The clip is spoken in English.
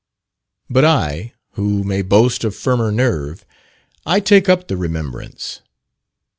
But I, who may boast of firmer nerve, I take up the remembrance.